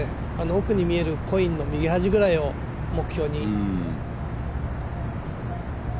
奥に見えるコインの右端ぐらいを目標に。